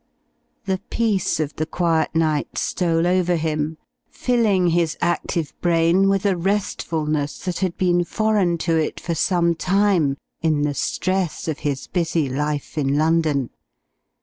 The peace of the quiet night stole over him, filling his active brain with a restfulness that had been foreign to it for some time in the stress of his busy life in London.